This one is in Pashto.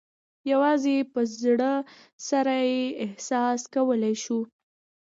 یوازې په زړه سره یې احساس کولای شو.